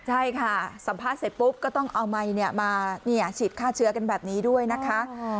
ใช่ค่ะสัมภาษณ์เสร็จปุ๊บก็ต้องเอาไมค์มาฉีดฆ่าเชื้อกันแบบนี้ด้วยนะคะ